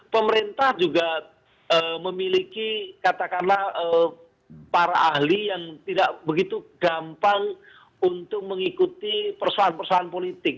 pemerintah juga memiliki katakanlah para ahli yang tidak begitu gampang untuk mengikuti persoalan persoalan politik